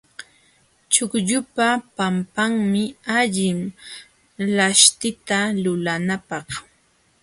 Chuqllupa panqanmi allin laśhtita lulanapaq.